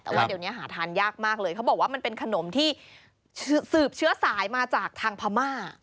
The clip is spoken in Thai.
แต่ว่าเดี๋ยวนี้หาทานยากมากเลยเขาบอกว่ามันเป็นขนมที่สืบเชื้อสายมาจากทางพม่า